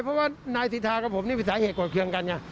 เพราะว่านายศิษฐากับผมนี่มีสาเหตุกว่าเคียงกันค่ะ